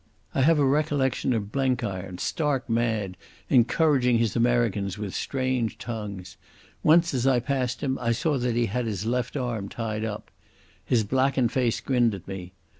I have a recollection of Blenkiron, stark mad, encouraging his Americans with strange tongues. Once as I passed him I saw that he had his left arm tied up. His blackened face grinned at me.